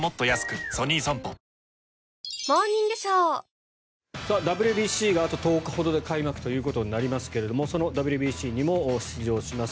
東京海上日動ＷＢＣがあと１０日ほどで開幕ということになりますがそのＷＢＣにも出場します